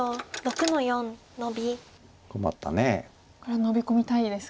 これはノビ込みたいですか。